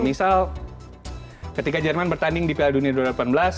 misal ketika jerman bertanding di piala dunia dua ribu delapan belas